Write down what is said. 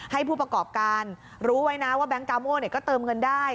ให้ผู้ประกอบการรู้ไว้นะว่าแก๊งกาโม่ก็เติมเงินได้